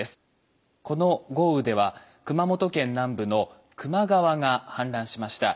この豪雨では熊本県南部の球磨川が氾濫しました。